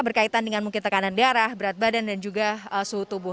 berkaitan dengan mungkin tekanan darah berat badan dan juga suhu tubuh